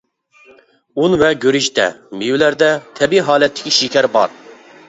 ئۇن ۋە گۈرۈچتە، مېۋىلەردە. تەبىئىي ھالەتتىكى شېكەر بار.